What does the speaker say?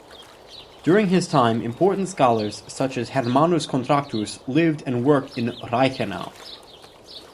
During his time, important scholars, such as Hermannus Contractus, lived and worked in Reichenau.